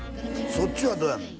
そっちはどうやの？